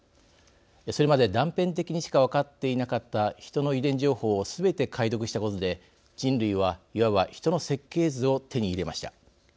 それまで断片的にしか分かっていなかったヒトの遺伝情報をすべて解読したことで人類は、いわばヒトの設計図を手に入れました。